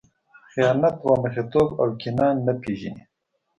خیانت، دوه مخی توب او کینه نه پېژني.